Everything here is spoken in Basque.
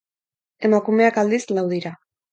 Emakumeak, aldiz, lau dira.